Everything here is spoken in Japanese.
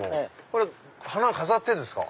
これは花を飾ってんですか？